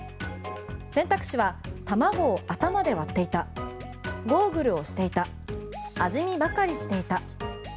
選択肢は卵を頭で割っていたゴーグルをしていた味見ばかりしていた。